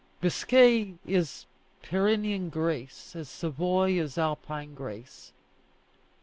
Biscay is Pyrenean grace as Savoy is Alpine grace.